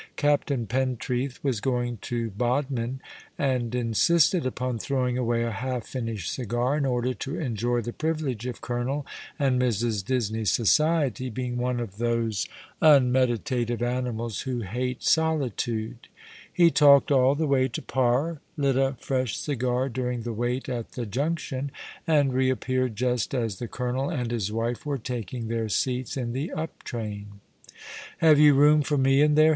Captain Pentreath was going to Bodmin, and insisted upon throwing away a half finished cigar in order to enjoy the privilege of Colonel and Mrs. Disney's society, being one of those un ,^^ My Life continues yours!' 187 meditative animals who hate solitude. Ho talked all the way to Par, lit a fresh cigar during the wait at the junction, and reappeared just as the colonel and his wife were taking their seats in the up train. " Have you room for me in there